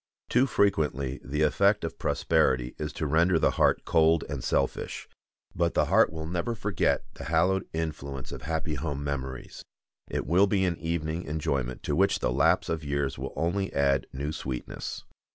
Too frequently the effect of prosperity is to render the heart cold and selfish; but the heart will never forget the hallowed influence of happy home memories. It will be an evening enjoyment to which the lapse of years will only add new sweetness.